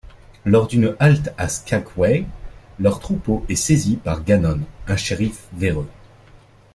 Lors d'une halte à Skagway, leur troupeau est saisi par Gannon, un shérif véreux.